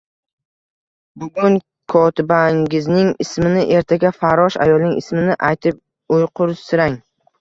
Bugun kotibangizning ismini, ertaga farrosh ayolning ismini aytib uyqusirang